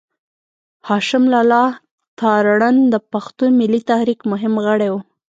هاشم لالا تارڼ د پښتون ملي تحريک مهم غړی و.